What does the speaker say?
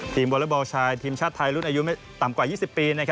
ทีมวอลเลเบิลชัยทีมชาติไทยรุ่นอายุต่ำกว่า๒๐ปี